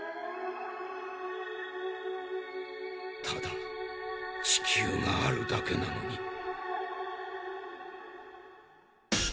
ただ地球があるだけなのに。